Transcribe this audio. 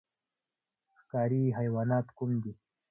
ښکاري حیوانات کوم دي؟